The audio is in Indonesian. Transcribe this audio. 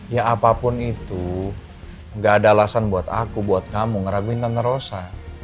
ya apapun itu nggak ada alasan buat aku buat kamu ngeraguin tante rosa